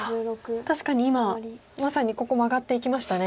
確かに今まさにここマガっていきましたね。